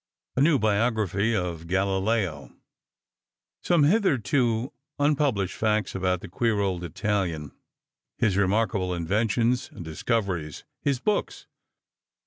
A NEW BIOGRAPHY OF GALILEO. SOME HERETOFORE UNPUBLISHED FACTS ABOUT THE QUEER OLD ITALIAN HIS REMARKABLE INVENTIONS AND DISCOVERIES HIS BOOKS.